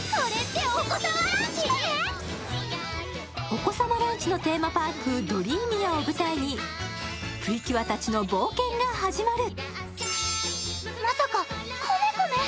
お子さまランチのテーマパークドリーミアを舞台にプリキュアたちの冒険が始まる。